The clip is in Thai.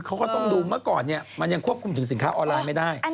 เขาก็ต้องดูเมื่อก่อนเนี่ยมันยังควบคุมถึงสินค้าออนไลน์ไม่ได้